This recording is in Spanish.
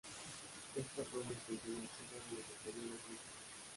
Esta fue una extensión masiva de los anteriores núcleos.